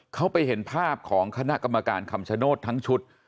เขาไปเห็นภาพของคณะกรรมการคำชโนธทั้งชุด